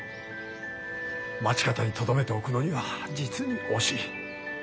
町方にとどめておくのには実に惜しい。